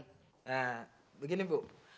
nah begini bu